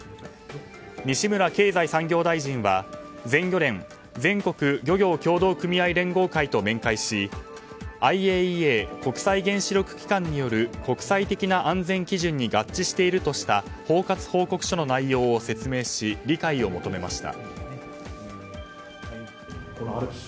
西村経済産業大臣は全漁連・全国漁業協同組合連合会と面会しＩＡＥＡ・国際原子力機関による国際的な安全基準に合致しているとした包括報告書の内容を説明し理解を求めました。